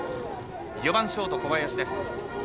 ４番、ショート小林です。